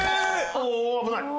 おお危ない！